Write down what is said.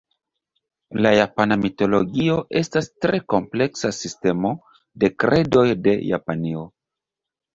La japana mitologio estas tre kompleksa sistemo de kredoj de Japanio.